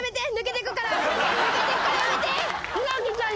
抜けてくからやめて。